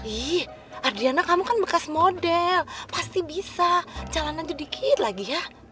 ih adriana kamu kan bekas model pasti bisa jalan aja dikit lagi ya